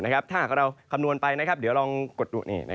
ถ้าหากเราคำนวณไปเดี๋ยวลองกดดู